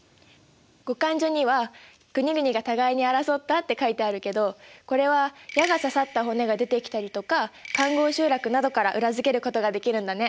「後漢書」には「国々が互いに争った」って書いてあるけどこれは矢が刺さった骨が出てきたりとか環濠集落などから裏付けることができるんだね。